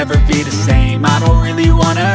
api dari mana